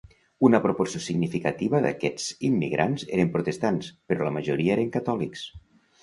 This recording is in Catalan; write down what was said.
Una proporció significativa d'aquests immigrants eren protestants, però la majoria eren catòlics.